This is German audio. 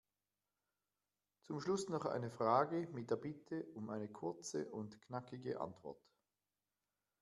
Zum Schluss noch eine Frage mit der Bitte um eine kurze und knackige Antwort.